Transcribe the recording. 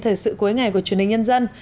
thời sự cuối ngày của truyền hình nhân dân